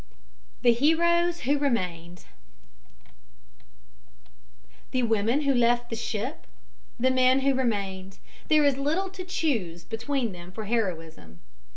THE HEROES WHO REMAINED The women who left the ship; the men who remained there is little to choose between them for heroism.